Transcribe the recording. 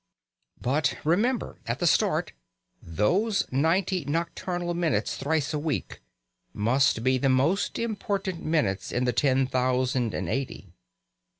But remember, at the start, those ninety nocturnal minutes thrice a week must be the most important minutes in the ten thousand and eighty.